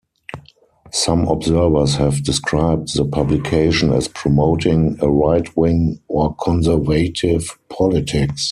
Some observers have described the publication as promoting a right-wing, or conservative, politics.